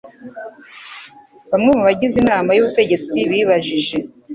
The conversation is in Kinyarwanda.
Bamwe mu bagize inama y'ubutegetsi bibajije